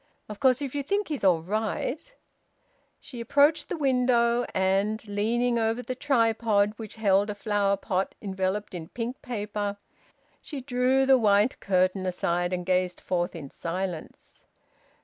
Of course if you think he's all right " She approached the window, and, leaning over the tripod which held a flower pot enveloped in pink paper, she drew the white curtain aside, and gazed forth in silence.